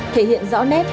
thể hiện rõ nét